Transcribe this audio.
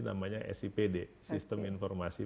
namanya sipd sistem informasi